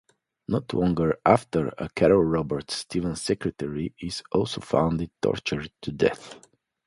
Not long after, Carol Roberts, Stevens' secretary, is also found tortured to death.